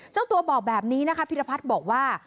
เจ้าตัวบอกแบบนี้นะคะพิรพัฒน์บอกว่า